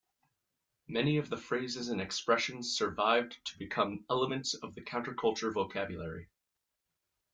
Many of the phrases and expressions survived to become elements of the counterculture vocabulary.